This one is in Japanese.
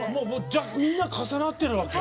じゃあみんな重なってるわけ？